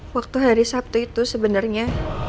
waktu hari sabtu itu sebenarnya